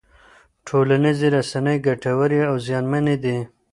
ټولنیزې رسنۍ ګټورې او زیانمنې دي.